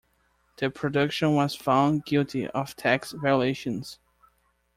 The production was found guilty of tax violations.